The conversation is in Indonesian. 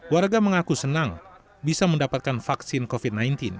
warga mengaku senang bisa mendapatkan vaksin covid sembilan belas